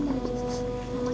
aku pengen ngambil